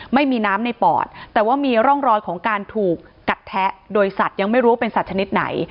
ไม่มีน้ำในปอดแต่ว่ามีร่องรอยของการถูกกัดแทะโดยสัตว์ยังไม่รู้ว่าเป็นสัตว์ชนิดไหน